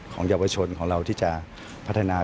เยาวชนของเราที่จะพัฒนา